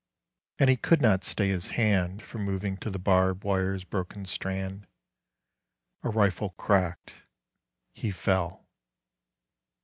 And he could not stay his hand From moving to the barbed wire's broken strand. A rifle cracked. He fell.